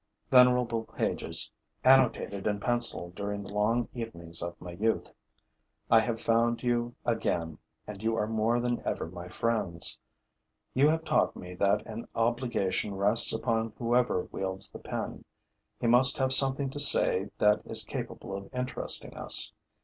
Venerable pages, annotated in pencil during the long evenings of my youth, I have found you again and you are more than ever my friends. You have taught me that an obligation rests upon whoever wields the pen: he must have something to say that is capable of interesting us.